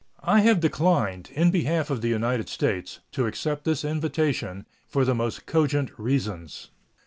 I have declined, in behalf of the United States, to accept this invitation, for the most cogent reasons.